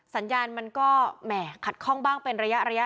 สัญญาณมันก็แหม่ขัดข้องบ้างเป็นระยะ